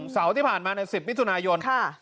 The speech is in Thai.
สาวที่ผ่านมา๑๐มิถุนายน